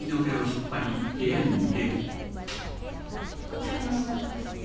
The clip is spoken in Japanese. ・こちらにお座りください。